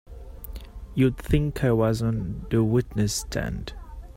You'd think I was on the witness stand!